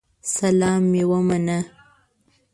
سلام مي ومنه